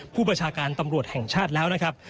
ผู้บัญชาการตำรวจแห่งชาติแล้วนะครับ